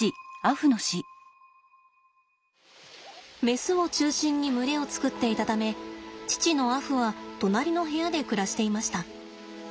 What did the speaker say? メスを中心に群れを作っていたため父のアフは隣の部屋で暮らしていました。